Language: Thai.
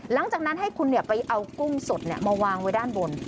หลังจากนั้นให้คุณไปเอากุ้งสดมาวางไว้ด้านบน